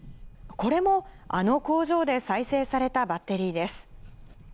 これもあの工場で再生されたバッテリーです。